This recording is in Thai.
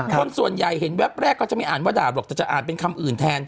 คนส่วนใหญ่เห็นแวบแรกก็จะไม่อ่านว่าดาบหรอกแต่จะอ่านเป็นคำอื่นแทน